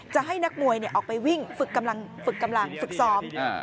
จะให้นักมวยออกไปวิ่งฝึกกำลังฝึกซอม